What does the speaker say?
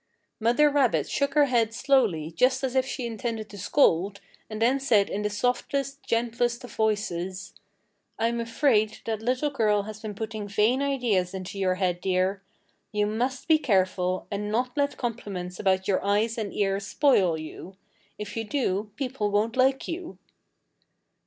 Mother rabbit shook her head slowly just as if she intended to scold, and then said in the softest, gentlest of voices: "I'm afraid that little girl has been putting vain ideas into your head, dear. You must be careful, and not let compliments about your eyes and ears spoil you. If you do people won't like you."